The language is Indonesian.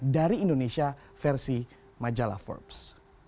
dari indonesia versi majalah forbes